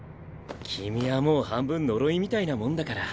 君はもう半分呪いみたいなもんだから。